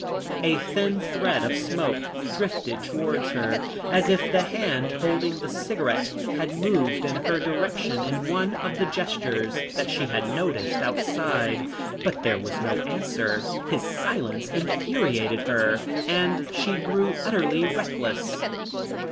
A thin thread of smoke drifted towards her, as if the hand holding the cigarette had moved in her direction in one of the gestures that she had noticed outside, but there was no answer. His silence infuriated her and she grew utterly reckless.